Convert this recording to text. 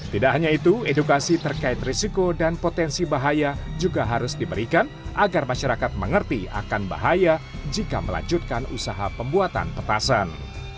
tidak hanya itu edukasi terkait risiko dan potensi bahaya juga harus diberikan agar masyarakat mengerti akan bahaya jika melanjutkan usaha pembuatan petasan